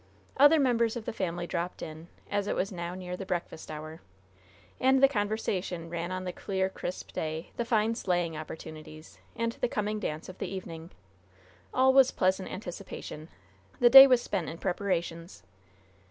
Other members of the family dropped in, as it was now near the breakfast hour. And the conversation ran on the clear, crisp day, the fine sleighing opportunities, and the coming dance of the evening. All was pleasant anticipation. The day was spent in preparations.